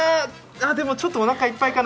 でもちょっとおなかいっぱいかな？